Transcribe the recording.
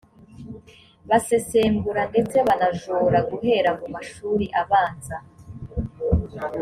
basesengura ndetse banajora guhera mu mashuri abanza